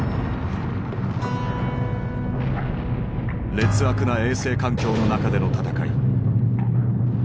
劣悪な衛生環境の中での戦い。